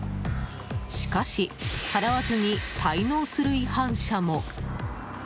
しかし、払わずに滞納する違反者も。